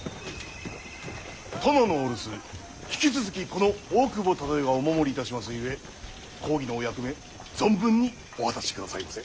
殿のお留守引き続きこの大久保忠世がお守りいたしますゆえ公儀のお役目存分にお果たしくださいませ！